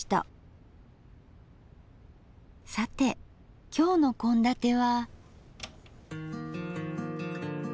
さて今日の献立は？